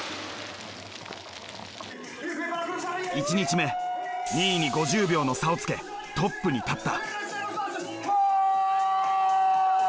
１日目２位に５０秒の差をつけトップに立った。